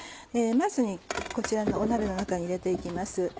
まずこちらの鍋の中に入れて行きます。